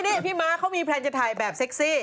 นี่พี่ม้าเขามีแพลนจะถ่ายแบบเซ็กซี่